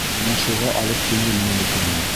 Ана шуға алып килдем Мәликәне!